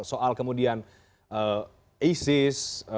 soal kemudian isis